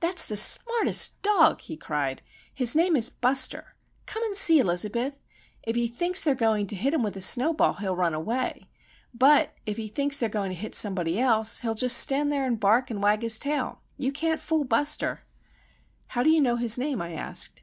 "That's the smartest dog!" he cried. "His name is Buster. Come and see, Elizabeth. If he thinks they're going to hit him with a snowball, he'll run away,—but, if he thinks they're going to hit somebody else, he'll just stand and bark and wag his tail. You can't fool Buster!" "How do you know his name?" I asked.